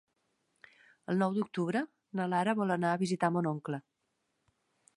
El nou d'octubre na Lara vol anar a visitar mon oncle.